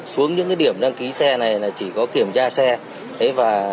xe gắn máy